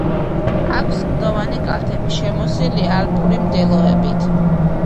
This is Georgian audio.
აქვს კლდოვანი კალთები, შემოსილია ალპური მდელოებით.